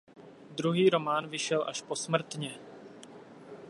Druhý román vyšel až posmrtně.